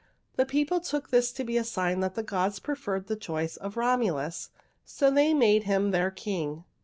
The people took this to be a sign that the gods preferred the choice of Romulus, so they made him their king.